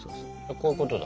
こういうことだ。